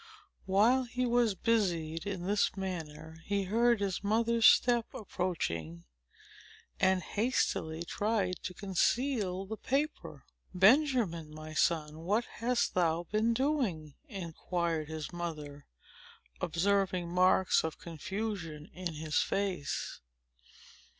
While he was busied in this manner, he heard his mother's step approaching, and hastily tried to conceal the paper. "Benjamin, my son, what hast thou been doing?" inquired his mother, observing marks of confusion in his face.